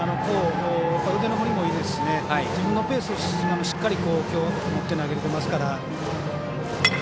腕の振りもいいですし自分のペースをしっかり保って投げています。